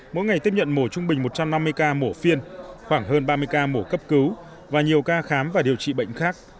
mỗi ngày tiếp nhận mổ trung bình một trăm năm mươi ca mổ phiên khoảng hơn ba mươi ca mổ cấp cứu và nhiều ca khám và điều trị bệnh khác